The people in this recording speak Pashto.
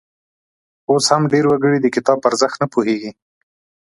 اوس هم ډېر وګړي د کتاب په ارزښت نه پوهیږي.